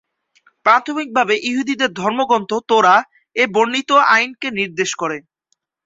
প্রাথমিকভাবে ইহুদীদের ধর্মগ্রন্থ ’তোরাহ’ এ বর্ণিত আইনকে নির্দেশ করে।